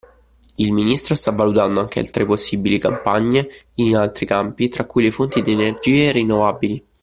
Il ministro sta valutando anche altre possibili campagne in altri campi tra cui le fonti di energie rinnovabili.